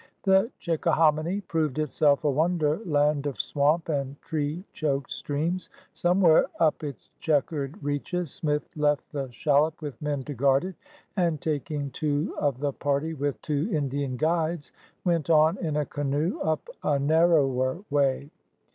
The Chickahominy proved itself a wonderland of swamp and tree choked streams. Somewhere up its chequered reaches Smith left the shallop with men to guard it, and, taking two of the party with two Indian guides, went on in a canoe up a narrower way.